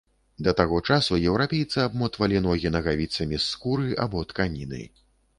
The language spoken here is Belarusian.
Да таго часу еўрапейцы абмотвалі ногі нагавіцамі з скуры або тканіны.